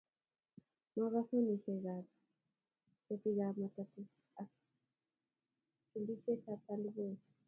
Makas honisiekab ketikab matatu ak chubisietab tandiboi